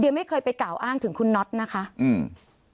เดี๋ยวไม่เคยไปกล่าวอ้างถึงคุณน็อตนะคะอืม